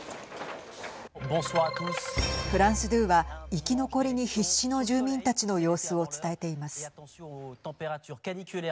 フランス２は生き残りに必死な住民たちの様子を伝えています。